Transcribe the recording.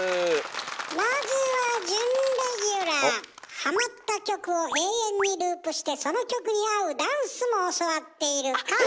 まずはハマった曲を永遠にループしてその曲に合うダンスも教わっている